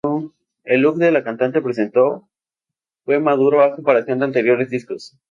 El look que la cantante presentó fue maduro a comparación de anteriores discos.